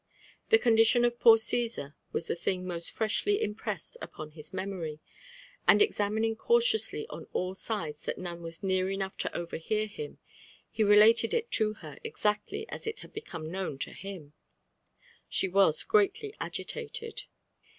The condition of poor Caesar was the thing most freahly impressed upon his memory, and examining cautiously on all sides that none were near enough to overhear him, he related it to her exactly as it had become known to him. She was greatly agitated.